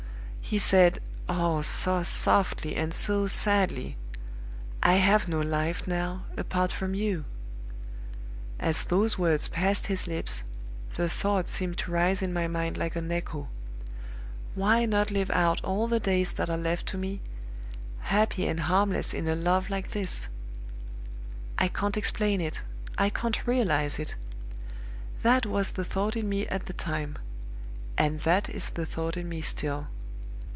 He said oh, so softly and so sadly! I have no life now, apart from you.' As those words passed his lips, the thought seemed to rise in my mind like an echo, 'Why not live out all the days that are left to me, happy and harmless in a love like this!' I can't explain it I can't realize it. That was the thought in me at the time; and that is the thought in me still.